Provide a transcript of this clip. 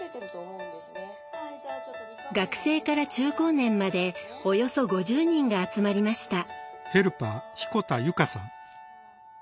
学生から中高年までおよそ５０人が集まりました。